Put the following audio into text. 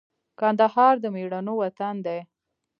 کندهار د مېړنو وطن دی